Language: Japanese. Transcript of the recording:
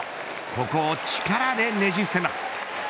ここを力でねじ伏せます。